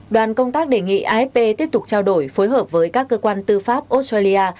đoàn công tác đề nghị afp tiếp tục trao đổi phối hợp với các cơ quan tư pháp australia